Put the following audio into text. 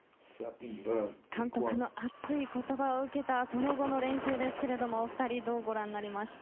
監督の熱い言葉を受けたその後の練習ですけどもお二人どうご覧になりました？